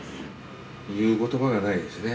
言うことばがないですね。